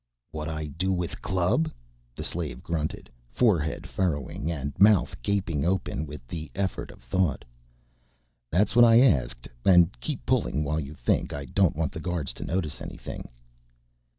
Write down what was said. "What I do with club?" the slave grunted, forehead furrowing and mouth gaping open with the effort of thought. "That's what I asked. And keep pulling while you think, I don't want the guards to notice anything."